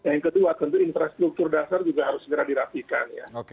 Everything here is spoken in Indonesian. yang kedua tentu infrastruktur dasar juga harus segera dirapikan ya